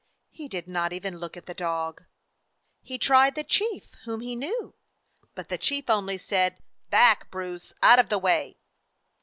He did not even look at the dog. He tried the chief, whom he knew; but the chief only said, "Back, Bruce; out of the way!"